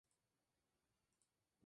La caída de la vaina es temprana.